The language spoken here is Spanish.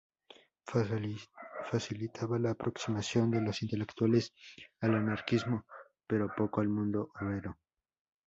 Facilitaba la aproximación de los intelectuales al anarquismo, pero poco al mundo obrero.